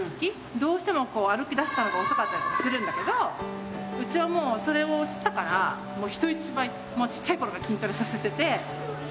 どうしても歩きだしたのが遅かったりするんだけど、うちはもう、それを知ったから、人一倍、もう小っちゃいころから筋トレさせてて。